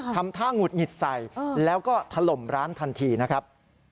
ทำท่าหงุดหงิดใส่แล้วก็ถล่มร้านทันทีนะครับ